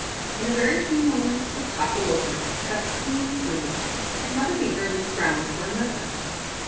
In a very few moments it toppled over, cut clean through, and Mother Beaver looked round for another.